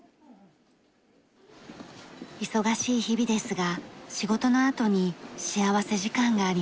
忙しい日々ですが仕事のあとに幸福時間があります。